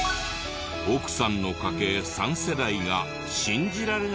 奥さんの家系３世代が信じられない事に。